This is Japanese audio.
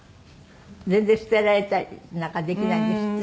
全然捨てられたりなんかできないんですって？